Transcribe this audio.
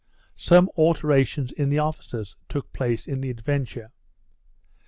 Some alterations in the officers took place in the Adventure.